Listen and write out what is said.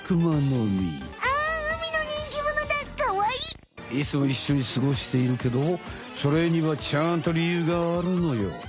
いつもいっしょに過ごしているけどそれにはちゃんとりゆうがあるのよ！